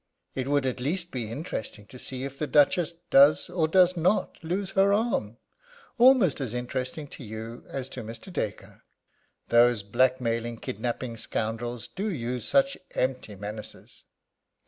It would at least be interesting to see if the Duchess does or does not lose her arm almost as interesting to you as to Mr. Dacre. Those blackmailing, kidnapping scoundrels do use such empty menaces.